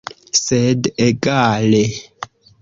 Sed egale.